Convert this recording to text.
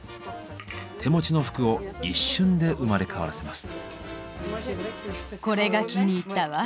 手持ちの服を一瞬で生まれ変わらせます。